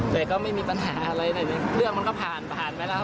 แต่ก็ไม่มีปัญหาอะไรแต่เรื่องมันก็ผ่านผ่านไปแล้ว